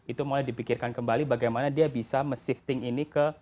itu mulai dipikirkan kembali bagaimana dia bisa meshifting ini ke